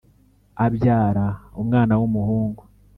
abyara umwana w umuhungu .